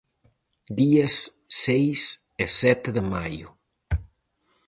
Días seis e sete de maio.